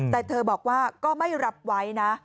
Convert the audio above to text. แต่เธอบอกว่าก็ไม่รับไว้นะ